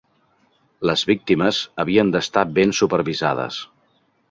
Les víctimes havien d'estar ben supervisades.